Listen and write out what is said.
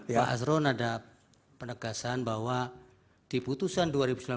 pak asron ada penegasan bahwa di putusan dua ribu sembilan belas